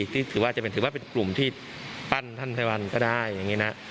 ที่ถือว่าจะถือว่าเป็นกลุ่มที่ปั้นท่านไทยวันก็ได้อย่างนี้นะ